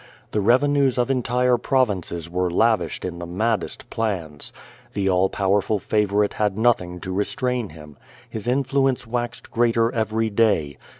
The revenues of entire provinces were lavished in the maddest plans. The all powerful favorite had nothing to restrain him. His influence waxed greater every day.